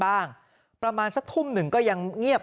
ประมาณสักทุ่มหนึ่งก็ยังเงียบ